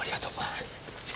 はい。